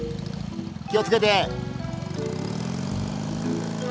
気をつけて！